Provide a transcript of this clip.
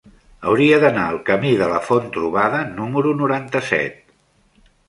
Hauria d'anar al camí de la Font-trobada número noranta-set.